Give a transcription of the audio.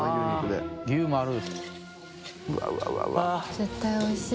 絶対おいしい。